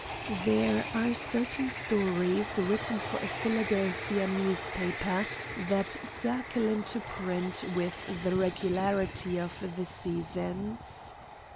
There are certain stories written for a Philadelphia newspaper that circle into print with the regularity of the seasons.